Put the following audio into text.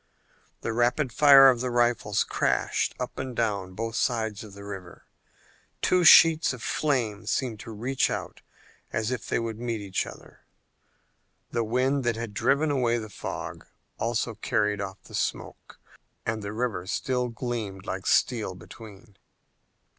The rapid fire of the rifles crashed up and down both sides of the river, two sheets of flame seeming to reach out as if they would meet each other. The wind that had driven away the fog also carried off the smoke, and the river still gleamed like steel between.